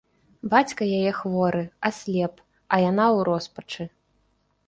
Бацька яе хворы, аслеп, а яна ў роспачы.